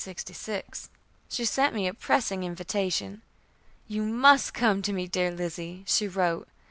She sent me a pressing invitation. "You must come to me, dear Lizzie," she wrote.